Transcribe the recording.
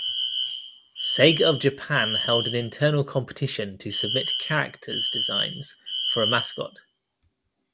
Sega of Japan held an internal competition to submit characters designs for a mascot.